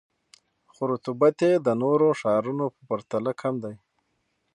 خو رطوبت یې د نورو ښارونو په پرتله کم دی.